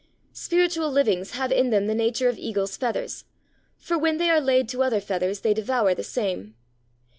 Spiritual livings have in them the nature of Eagle's feathers, for when they are laid to other feathers they devour the same.